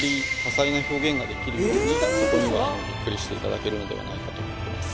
びっくりしていただけるのではないかと思ってます。